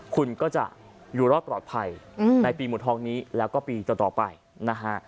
คุณก็จะอยู่รอดปลอดภัยในปีหมูทองนี้แล้วก็ปีต่อไปนะฮะ